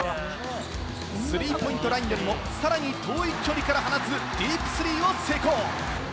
スリーポイントラインよりもさらに遠い距離から放つディープスリーを成功！